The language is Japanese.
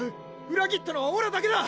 裏切ったのはオラだけだ！